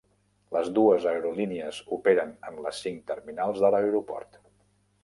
Les dues aerolínies operen en les cinc terminals de l'aeroport.